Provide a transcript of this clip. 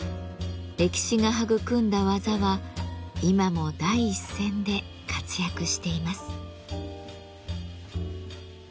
歴史が育んだ技は今も第一線で活躍しています。